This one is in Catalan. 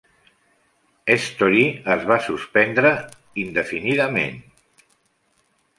Storey es va suspendre indefinidament.